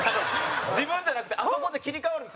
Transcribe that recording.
自分じゃなくてあそこで切り替わるんです